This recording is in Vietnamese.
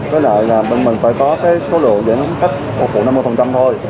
với lại là bên mình phải có số lượng giãn khách của phủ năm mươi thôi